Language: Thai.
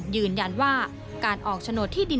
ยืนยันว่าการออกโฉนดที่ดิน